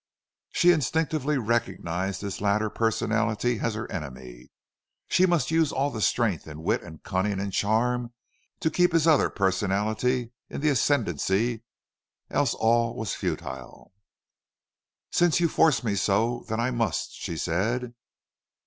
She instinctively recognized this latter personality as her enemy. She must use all the strength and wit and cunning and charm to keep his other personality in the ascendancy, else all was futile. "Since you force me so then I must," she said.